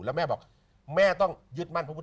แล้วแม่บอกแม่ต้องยึดมั่นพระพุทธ